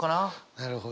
なるほど。